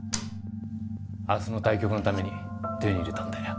明日の対局のために手に入れたんだよ。